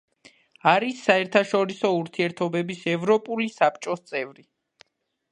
არის საერთაშორისო ურთიერთობების ევროპული საბჭოს წევრი.